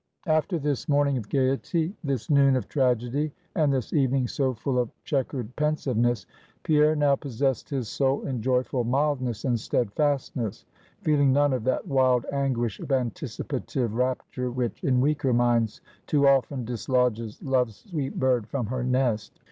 After this morning of gayety, this noon of tragedy, and this evening so full of chequered pensiveness; Pierre now possessed his soul in joyful mildness and steadfastness; feeling none of that wild anguish of anticipative rapture, which, in weaker minds, too often dislodges Love's sweet bird from her nest.